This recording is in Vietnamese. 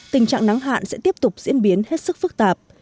tình trạng nắng hạn sẽ tiếp tục diễn biến hết sức phức tạp